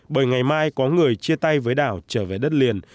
bởi ngày mai có người chia tay với đảo trở về đất liền